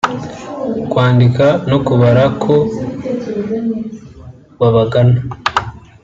kwandika no kubara ko babagana